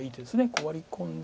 こうワリ込んで。